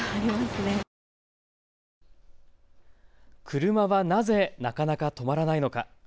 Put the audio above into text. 車はなぜなかなか止まらないのか。